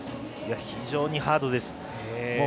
非常にハードです。